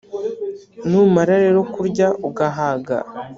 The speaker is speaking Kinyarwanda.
numara rero kurya ugahaga,